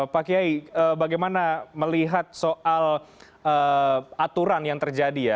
pak kiai bagaimana melihat soal aturan yang terjadi ya